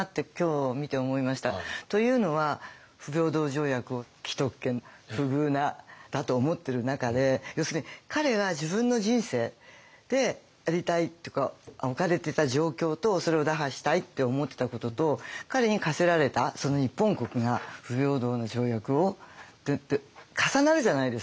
というのは不平等条約を既得権不遇だと思ってる中で要するに彼が自分の人生でやりたいとか置かれてた状況とそれを打破したいって思ってたことと彼に課せられた日本国が不平等な条約をって重なるじゃないですか。